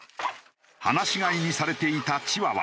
放し飼いにされていたチワワ。